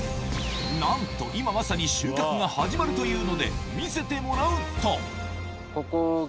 なんと今まさに収穫が始まるというので見せてもらうとここが。